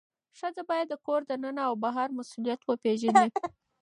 ښځه باید د کور دننه او بهر مسؤلیت وپیژني.